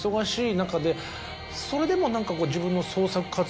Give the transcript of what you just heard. それでも。